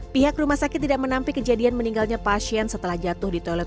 pihak rumah sakit tidak menampik kejadian meninggalnya pasien setelah jatuh di toilet